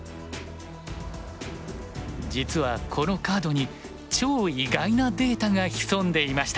実はこのカードに超意外なデータが潜んでいました。